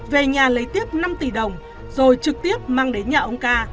về nhà lấy tiếp năm tỷ đồng rồi trực tiếp mang đến nhà ông ca